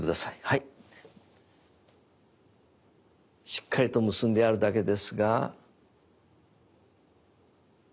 しっかりと結んであるだけですが。